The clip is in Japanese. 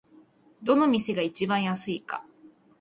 どの店が一番安いか